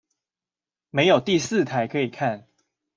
沒有第四台可以看